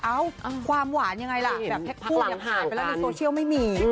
เอ้าความหวานยังไงล่ะแบบแค่ผู้หวานไปแล้วในโซเชียลไม่มี